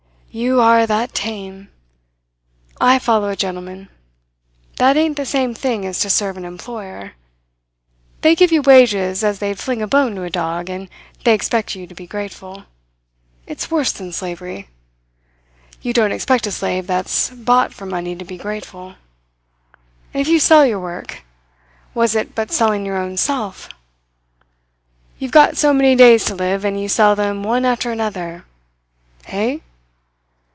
You are that tame! I follow a gentleman. That ain't the same thing as to serve an employer. They give you wages as they'd fling a bone to a dog, and they expect you to be grateful. It's worse than slavery. You don't expect a slave that's bought for money to be grateful. And if you sell your work what is it but selling your own self? You've got so many days to live and you sell them one after another. Hey?